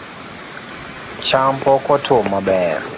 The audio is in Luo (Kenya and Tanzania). Cham pok otuo maber